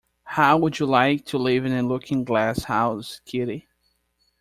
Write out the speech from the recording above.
How would you like to live in Looking-glass House, Kitty?